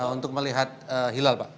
untuk melihat hilal pak